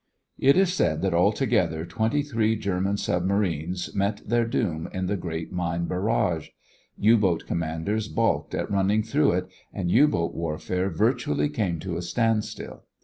It is said that altogether twenty three German submarines met their doom in the great mine barrage. U boat commanders balked at running through it, and U boat warfare virtually came to a standstill.